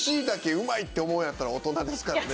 うまいって思うんやったらオトナですからね。